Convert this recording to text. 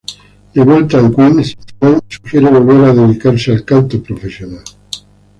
De vuelta en Queens, Frank sugiere volver a dedicarse al canto profesional.